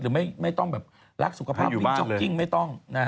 หรือไม่ต้องรักสุขภาพหรือจ๊อกกิ้งไม่ต้อง